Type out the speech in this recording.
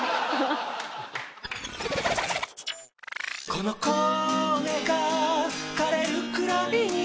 この声が枯れるくらいに